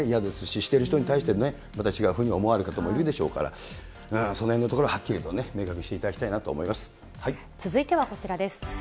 してる人に対してまた違うふうに思われる方もいるでしょうから、そのへんのところ、はっきりと明確にしていただきたいなと思いま続いてはこちらです。